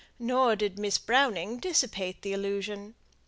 Nor did Miss Browning dissipate the illusion.